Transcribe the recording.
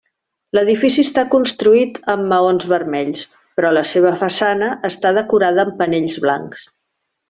L'edifici està construït amb maons vermells, però la seva façana està decorada amb panells blancs.